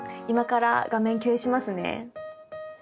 今から画面共有しますね。